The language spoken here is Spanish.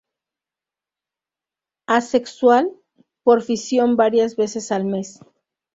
Asexual, por fisión varias veces al mes.